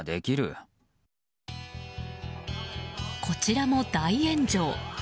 こちらも大炎上。